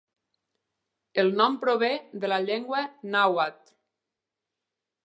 El nom prové de la llengua nàhuatl.